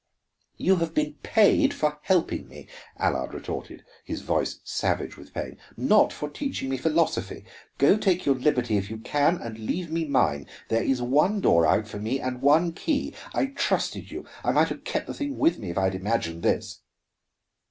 "You have been paid for helping me," Allard retorted, his voice savage with pain, "not for teaching me philosophy. Go take your liberty, if you can, and leave me mine. There is one door out for me, and one key. I trusted you; I might have kept the thing with me if I had imagined this."